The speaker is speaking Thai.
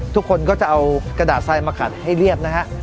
ทุกคนก็จะเอากระดาษทรายมาขัดให้เรียบนะฮะ